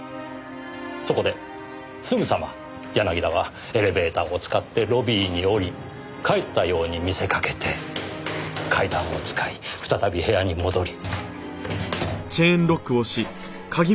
そこですぐさま柳田はエレベーターを使ってロビーに降り帰ったように見せかけて階段を使い再び部屋に戻り。